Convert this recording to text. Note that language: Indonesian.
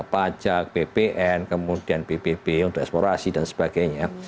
pajak ppn kemudian ppp untuk eksplorasi dan sebagainya